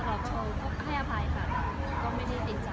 แล้วก็ในเมื่อขอโทษเราก็ให้อภัยกันก็ไม่ได้ติดใจ